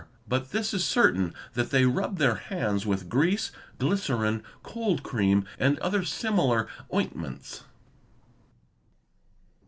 But this is certain that they rub their hands with grease, glycerine, cold cream, and other similar ointments.